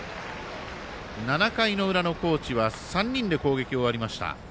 ７回の裏の高知は３人で攻撃終わりました。